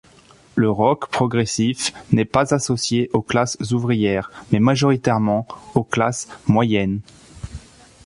Le rock progressif n'est pas associé aux classes ouvrières, mais majoritairement aux classes moyennes.